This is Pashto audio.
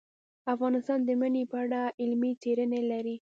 افغانستان د منی په اړه علمي څېړنې لري.